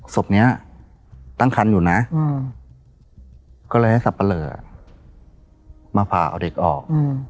ศพนี้ตั้งคันอยู่นะก็เลยให้สับปะเหลอมาผ่าเอาเด็กออก